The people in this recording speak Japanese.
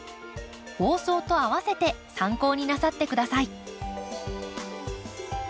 放送とあわせて参考になさって下さい。